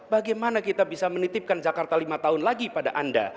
bagaimana kita bisa menitipkan jakarta lima tahun lagi pada anda